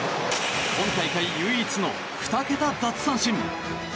今大会唯一の２桁奪三振。